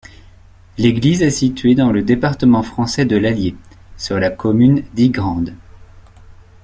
L'église est située dans le département français de l'Allier, sur la commune d'Ygrande.